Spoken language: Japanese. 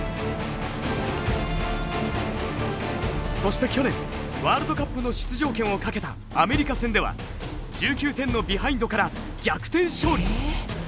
そして去年ワールドカップの出場権をかけたアメリカ戦では１９点のビハインドから逆転勝利！